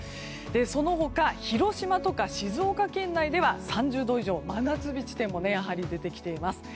その他、広島とか静岡県内では３０度以上、真夏日地点もやはり出てきています。